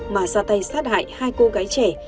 mà ra tay sát hại hai cô gái trẻ